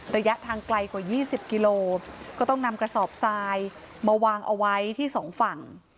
ระยะทางไกลกว่า๒๐กิโลก็ต้องนำกระสอบทรายมาวางเอาไว้ที่สองฝั่ง